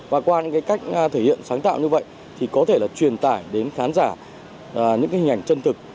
và qua những cái cách thể hiện sáng tạo như vậy thì có thể là truyền tải đến khán giả những hình ảnh chân thực